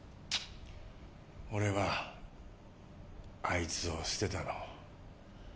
俺はあいつを捨てたろ。